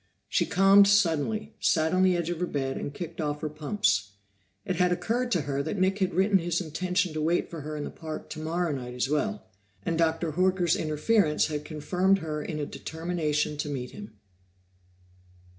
She calmed suddenly, sat on the edge of her bed and kicked off her pumps. It had occurred to her that Nick had written his intention to wait for her in the park tomorrow night as well, and Dr. Horker's interference had confirmed her in a determination to meet him.